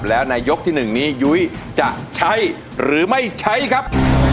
แล้วในยกที่๑นี้ยุ้ยจะใช้หรือไม่ใช้ครับ